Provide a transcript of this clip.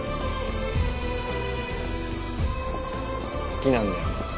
好きなんだよ